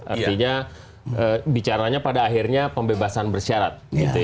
artinya bicaranya pada akhirnya pembebasan bersyarat